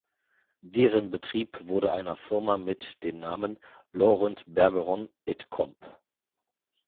Deren Betrieb wurde einer Firma mit dem Namen Laurent-Bergeron et Comp.